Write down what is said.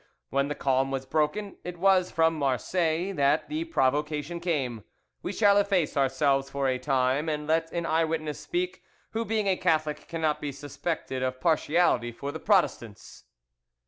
When the calm was broken, it was from Marseilles that the provocation came. We shall efface ourselves for a time and let an eye witness speak, who being a Catholic cannot be suspected of partiality for the Protestants.